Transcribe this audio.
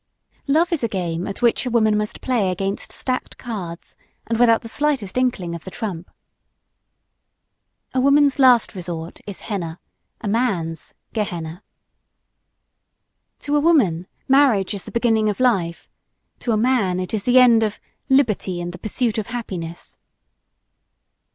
Love is a game at which a woman must play against stacked cards, and without the slightest inkling of the trump. A woman's last resort is henna a man's Gehenna. To a woman marriage is the beginning of life; to a man it is the end of "liberty and the pursuit of happiness."